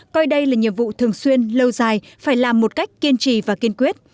coi đây là nhiệm vụ thường xuyên lâu dài phải làm một cách kiên trì và kiên quyết